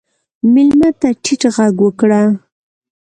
مېلمه ته ټیټ غږ وکړه.